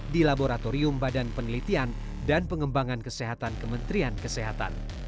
di laboratorium badan penelitian dan pengembangan kesehatan kementerian kesehatan